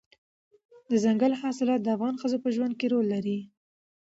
دځنګل حاصلات د افغان ښځو په ژوند کې رول لري.